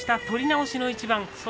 取り直しの一番。